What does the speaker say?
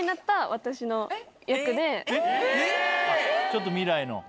ちょっと未来の。